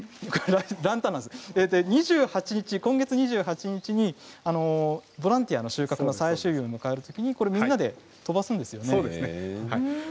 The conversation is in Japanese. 今月２８日にボランティアの収穫の最終日を迎えるときにみんなで飛ばすんですよね。